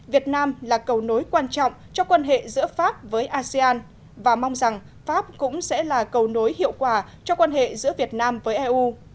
việt nam là cầu nối quan trọng cho quan hệ giữa pháp với asean và mong rằng pháp cũng sẽ là cầu nối hiệu quả cho quan hệ giữa việt nam với eu